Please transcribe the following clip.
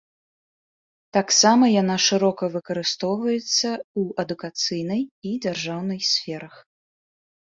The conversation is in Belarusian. Таксама яна шырока выкарыстоўваецца ў адукацыйнай і дзяржаўнай сферах.